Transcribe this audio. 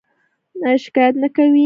ایا شکایت نه کوئ؟